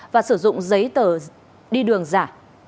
và sử dụng giấy tờ đi đường giả